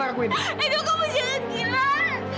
ibu kamu jangan gila